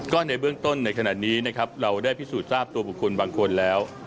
ก็ในเบื้องต้นในขณะนี้นะครับเราได้พิสูจน์ทราบตัวบุคคลบางคนแล้ว